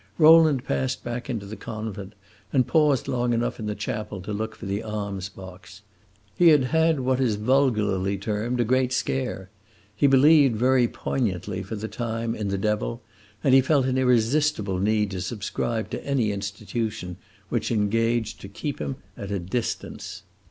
Rowland passed back into the convent, and paused long enough in the chapel to look for the alms box. He had had what is vulgarly termed a great scare; he believed, very poignantly for the time, in the Devil, and he felt an irresistible need to subscribe to any institution which engaged to keep him at a distance.